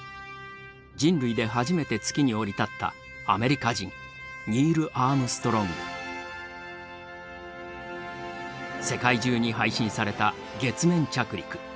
人類で初めて月に降り立ったアメリカ人世界中に配信された月面着陸。